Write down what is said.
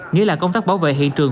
nghĩa là công tác bảo vệ hiện trường